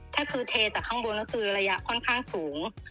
ถ้าคือเทจากข้างบนก็คือระยะค่อนข้างสูง